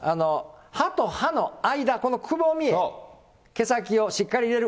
歯と歯の間、このくぼみ、毛先をしっかり入れる。